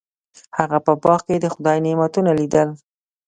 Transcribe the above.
هغه په باغ کې د خدای نعمتونه لیدل.